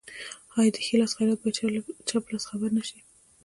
آیا د ښي لاس خیرات باید چپ لاس خبر نشي؟